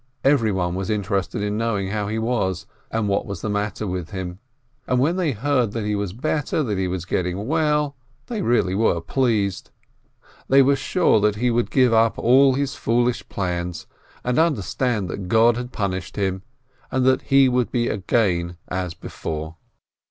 Every one was interested in knowing how he was, and what was the matter with him. And when they heard that he was better, that he was getting well, they really were pleased; they were sure that he would give 344 PINSKI up all his foolish plans, and understand that God had punished him, and that he would be again as before.